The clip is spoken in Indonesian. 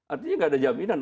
artinya nggak ada jaminan